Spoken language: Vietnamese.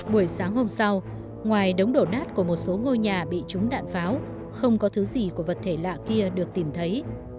buổi sáng hôm sau ngoài đống đổ nát của một số ngôi nhà bị trúng đạn pháo không có thứ gì của vật thể lạ kia được tìm thấy